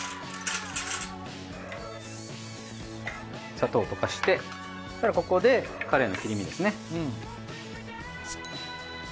砂糖を溶かしてここでカレイの切り身ですね。